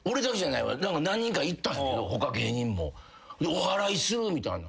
おはらいするみたいな。